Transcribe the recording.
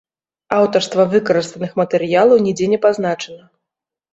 Аўтарства выкарыстаных матэрыялаў нідзе не пазначана.